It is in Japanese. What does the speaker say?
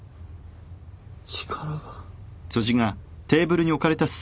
力が。